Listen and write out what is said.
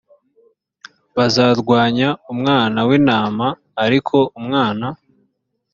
bazarwanya umwana w intama ariko umwana